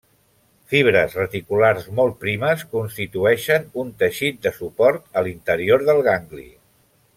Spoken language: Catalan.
Fibres reticulars molt primes constitueixen un teixit de suport a l'interior del gangli.